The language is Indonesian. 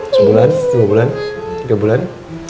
sebulan tiga bulan